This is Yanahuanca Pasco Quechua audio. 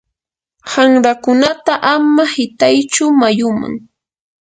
qanrakunata ama qitaychu mayuman.